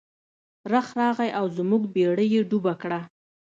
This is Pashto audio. رخ راغی او زموږ بیړۍ یې ډوبه کړه.